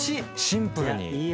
シンプルに。